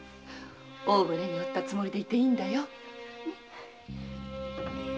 大船に乗ったつもりでいていいんだよ。